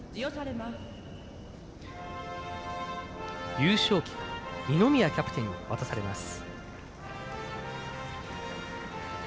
優勝旗二宮キャプテンに渡されます。